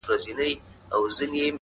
o شاعره ياره ستا قربان سمه زه،